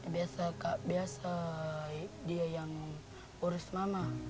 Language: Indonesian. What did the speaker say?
biasa kak biasa dia yang urus mama